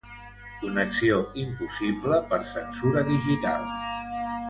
Connexió impossible per censura digital.